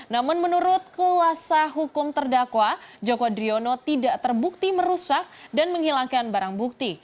namun menurut kuasa hukum terdakwa joko driono tidak terbukti merusak dan menghilangkan barang bukti